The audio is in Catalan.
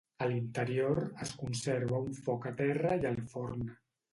A l'interior es conserva un foc a terra i el forn.